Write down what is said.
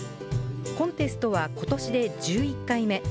コンテストはことしで１１回目。